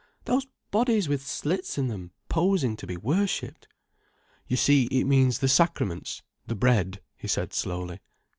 "Those bodies with slits in them, posing to be worshipped." "You see, it means the Sacraments, the Bread," he said slowly.